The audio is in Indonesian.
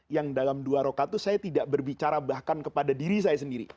yang dalam dua rokaat itu saya tidak berbicara bahkan kepada diri saya sendiri